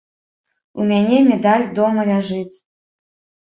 У мяне медаль дома ляжыць.